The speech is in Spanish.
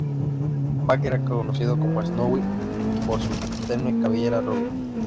Baker era conocido como Snowy por su tenue cabellera rubia.